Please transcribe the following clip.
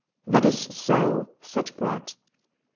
"That is so," said Brett.